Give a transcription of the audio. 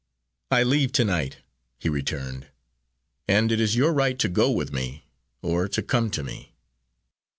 "I leave to night," he returned, "and it is your right to go with me, or to come to me."